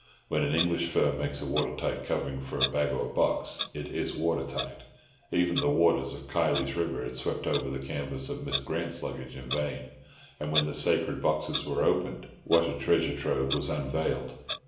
When an English firm makes a water tight cover for a bag or box, it is water tight; even the waters of Kiley's River had swept over the canvas of Miss Grant's luggage in vain. And when the sacred boxes were opened, what a treasure trove was unveiled!